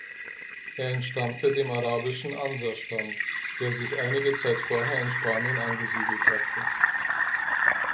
Er entstammte dem arabischen Ansar-Stamm, der sich einige Zeit vorher in Spanien angesiedelt hatte.